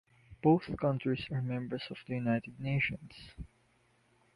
Both countries are members of the United Nations.